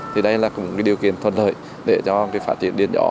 thì đây là điều kiện thuận lợi để phát triển điện gió